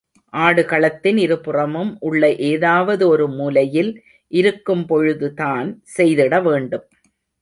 ஆடுகளத்தின் இருபுறமும் உள்ள ஏதாவது ஒரு மூலையில் இருக்கும்பொழுதுதான் செய்திட வேண்டும்.